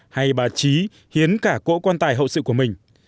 hay bà trí hiến cả cỗ quan tài hậu sự của mình